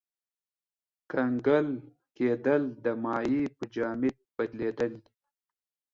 کنګل کېدل د مایع په جامد بدلیدل دي.